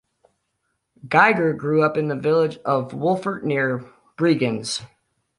Geiger grew up in the village of Wolfurt near Bregenz.